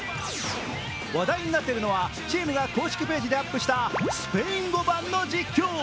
話題になっているのはチームが公式ページでアップしたスペイン語版の実況。